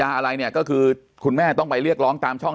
อะไรเนี่ยก็คือคุณแม่ต้องไปเรียกร้องตามช่อง